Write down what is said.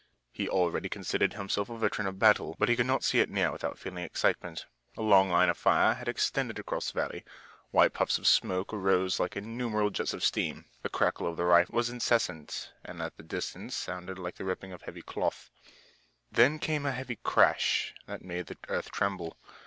He already considered himself a veteran of battle, but he could not see it near without feeling excitement. A long line of fire had extended across the valley. White puffs of smoke arose like innumerable jets of steam. The crackle of the rifles was incessant and at the distance sounded like the ripping of heavy cloth. Then came a deep heavy crash that made the earth tremble.